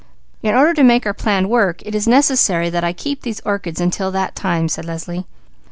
"In order to make our plan work, it is necessary that I keep these orchids until that time," said Leslie.